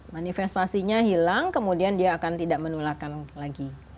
manifestasinya hilang kemudian dia akan tidak menularkan lagi